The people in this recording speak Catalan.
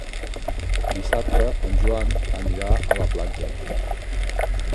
Dissabte en Joan anirà a la platja.